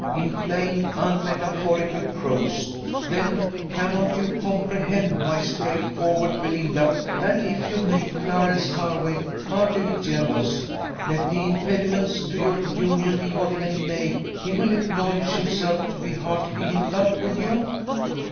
In plain, unmetaphorical prose, then, cannot you comprehend, my straight forward Belinda, that if you make Clarence Hervey heartily jealous, let the impediments to your union be what they may, he will acknowledge himself to be heartily in love with you?